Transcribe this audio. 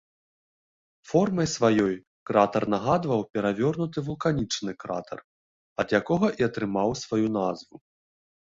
Формай сваёй кратар нагадваў перавернуты вулканічны кратар, ад якога і атрымаў сваю назву.